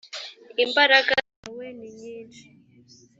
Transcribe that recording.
imbaraga zawe ni nyinshi .